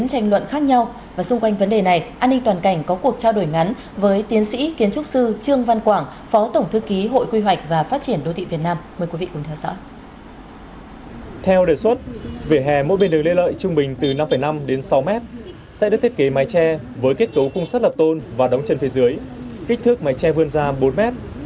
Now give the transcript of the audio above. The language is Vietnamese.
theo đề xuất vỉa hè mỗi bên đường lê lợi trung bình từ năm năm đến sáu mét sẽ được thiết kế mái tre với kết cấu cung sắt lập tôn và đóng chân phía dưới kích thước mái tre vươn ra bốn mét